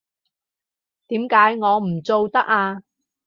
點解我唔做得啊？